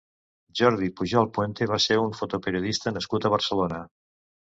Jordi Pujol Puente va ser un fotoperiodista nascut a Barcelona.